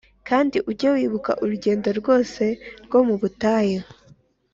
“Kandi ujye wibuka urugendo rwose rwo mu butayu